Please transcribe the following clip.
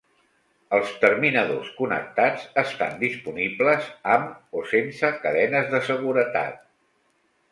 Els terminadors connectats estan disponibles amb o sense cadenes de seguretat.